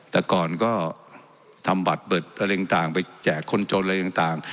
แต่ก่อนก็ทำบัตรเบิดอะไรต่างไปแจกคนจนอะไรต่าง